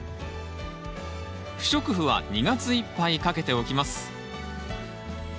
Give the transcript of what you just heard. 不織布は２月いっぱいかけておきます。